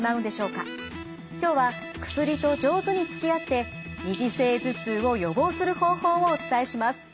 今日は薬と上手につきあって二次性頭痛を予防する方法をお伝えします。